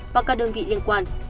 và các đơn vị liên quan